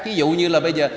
ví dụ như là bây giờ